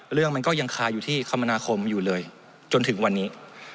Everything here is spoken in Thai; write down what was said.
เรื่องมันก็ยังคาอยู่ที่คมนาคมอยู่เลยจนถึงวันนี้